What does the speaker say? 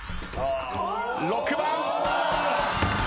６番。